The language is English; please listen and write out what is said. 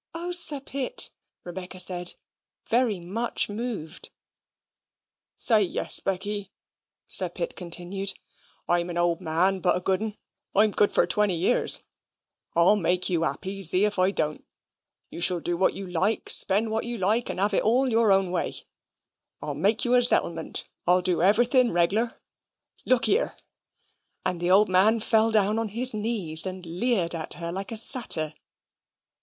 "Oh, Sir Pitt!" Rebecca said, very much moved. "Say yes, Becky," Sir Pitt continued. "I'm an old man, but a good'n. I'm good for twenty years. I'll make you happy, zee if I don't. You shall do what you like; spend what you like; and 'ave it all your own way. I'll make you a zettlement. I'll do everything reglar. Look year!" and the old man fell down on his knees and leered at her like a satyr.